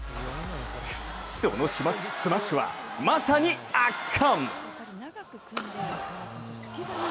そのスマッシュは、まさに圧巻。